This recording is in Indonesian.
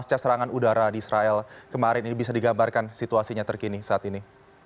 tangan udara di israel kemarin ini bisa digambarkan situasinya terkini saat ini